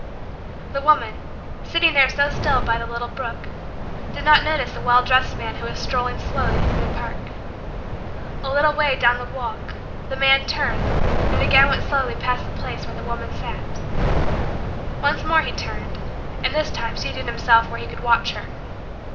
The woman, sitting there so still by the little brook, did not notice a well dressed man who was strolling slowly through the park. A little way down the walk, the man turned, and again went slowly past the place where the woman sat. Once more he turned and this time seated himself where he could watch her.